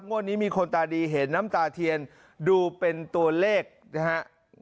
งวดนี้มีคนตาดีเห็นน้ำตาเทียนดูเป็นตัวเลขนะครับ